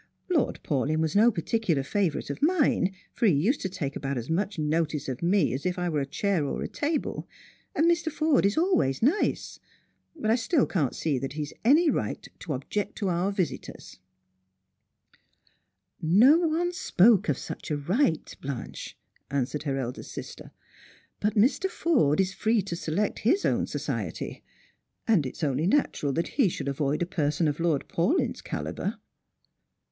"Lord Paulyn was no particular favourite of mine, for he used to take about as much notice of me as if I were a chair or a table ; and Mr. Forde is always nice ; but still I can't see that he has anj right to object to our visitors," 120 Siravf/ers and Pilgrvnis. " No one spoke of such a right, Blanche," answered her eldest sister ;" but Mr. Forde is free to select his own society, and it is only natural that he should avoid a person of Lord Paulyn'a calibre."